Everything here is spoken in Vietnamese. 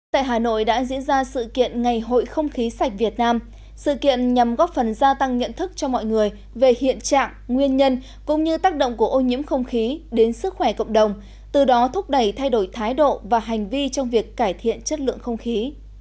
tại hà nội đã diễn ra sự kiện ngày hội không khí sạch việt nam sự kiện nhằm góp phần gia tăng nhận thức cho mọi người về hiện trạng nguyên nhân cũng như tác động của ô nhiễm không khí đến sức khỏe cộng đồng từ đó thúc đẩy thay đổi thái độ và hành vi trong việc cải thiện chất lượng không khí